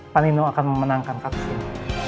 panino akan memenangkan k peelihpun